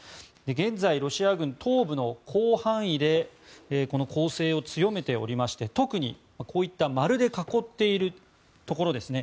現在、ロシア軍、東部の広範囲でこの攻勢を強めておりまして特にこういった丸で囲っているところですね。